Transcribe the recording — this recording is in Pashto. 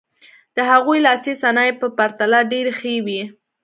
د هغوی لاسي صنایع په پرتله ډېرې ښې وې.